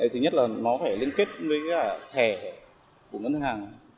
thứ nhất là nó phải liên kết với cả thẻ của ngân hàng